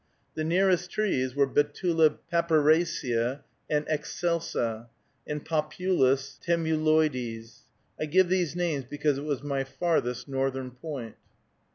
The nearest trees were Betula papyracea and excelsa, and Populus tremuloides. I give these names because it was my farthest northern point.